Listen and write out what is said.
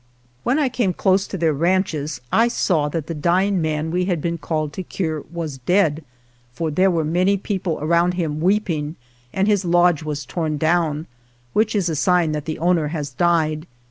When I came close to their ranches I saw that the dying man we had been called to cure was dead, for there were many people around him weeping and his lodge was torn down, which is a sign that the owner has died.